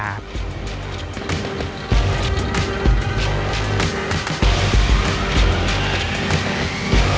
สวัสดีครับ